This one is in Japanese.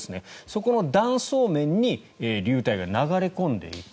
そこの断層面に流体が流れ込んでいく。